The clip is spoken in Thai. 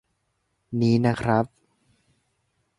นี้นะครับ